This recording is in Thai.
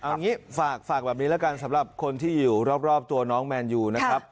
เอางี้ฝากแบบนี้แล้วกันสำหรับคนที่อยู่รอบตัวน้องแมนยูนะครับ